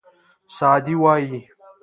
سعدي وایي.